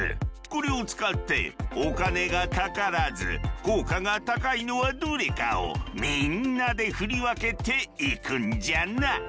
これを使ってお金がかからず効果が高いのはどれかをみんなで振り分けていくんじゃな。